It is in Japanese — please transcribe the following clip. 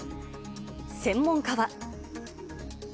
専門家は。